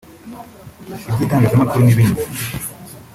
iby’itangazamakuru n’ibindi